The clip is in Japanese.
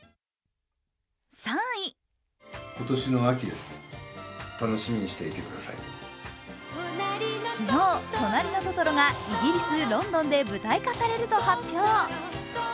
３位、昨日「となりのトトロ」がイギリス・ロンドンで舞台化されると発表。